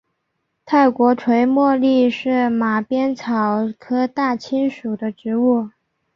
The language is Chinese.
泰国垂茉莉是马鞭草科大青属的植物。